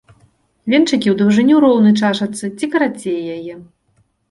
Венчыкі ў даўжыню роўны чашачцы ці карацей яе.